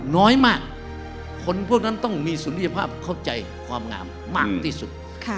น้อยมากคนพวกนั้นต้องมีสุริยภาพเข้าใจความงามมากที่สุด